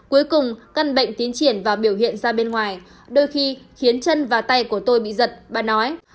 cuối cùng căn bệnh tiến triển và biểu hiện ra bên ngoài đôi khi khiến chân và tay của tôi bị giật bà nói